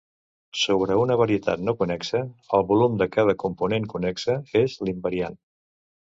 Sobre una varietat no connexa, el volum de cada component connexa és l'invariant.